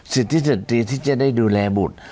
สิทธิสตรีที่จะได้ดูแลบุตร